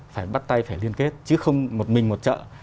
phải bắt tay phải liên kết chứ không một mình một chợ